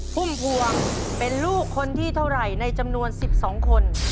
พุ่มพวงเป็นลูกคนที่เท่าไหร่ในจำนวน๑๒คน